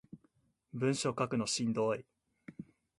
文章書くのしんどい